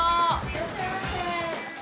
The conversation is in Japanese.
いらっしゃいませ。